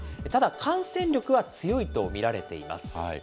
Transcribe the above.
ただ、感染力は強いと見られています。